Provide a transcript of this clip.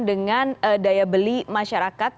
dengan daya beli masyarakat